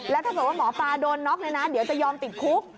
และถ้าหมอปลาโดนน็อคเลยนะเดี๋ยวจะยอมติดคุก